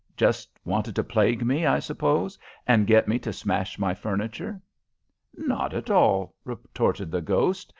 Just wanted to plague me, I suppose, and get me to smash my furniture." "Not at all," retorted the ghost.